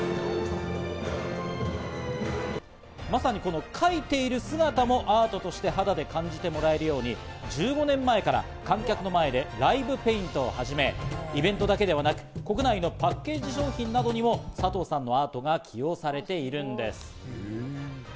まさにこの描いている姿もアートとして肌で感じてもらえるように１５年前から観客の前でＬＩＶＥＰＡＩＮＴをはじめ、イベントだけではなく、国内のパッケージ商品などにも、さとうさんのアートが起用されているんです。